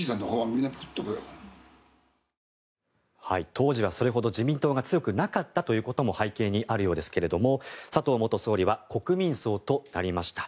当時はそれほど自民党が強くなかったことも背景にあるようですけども佐藤元総理は国民葬となりました。